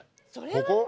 ここ？